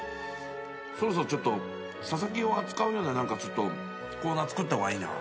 そろそろちょっと佐々木を扱うようなコーナー作った方がいいな。